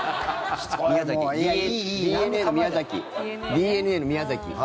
ＤｅＮＡの宮崎。